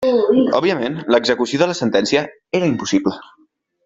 Òbviament l'execució de la sentència era impossible.